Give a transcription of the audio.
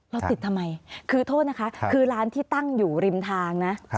เราติดทำไมคือโทษนะคะคือร้านที่ตั้งอยู่ริมทางนะ